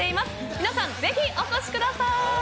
皆さん、ぜひお越しください。